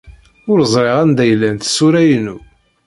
Ur ẓriɣ anda ay llant tsura-inu.